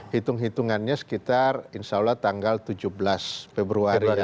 hitung hitungannya sekitar insya allah tanggal tujuh belas februari